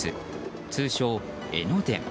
通称、江ノ電。